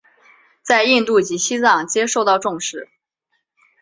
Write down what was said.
在印度及西藏皆受到重视。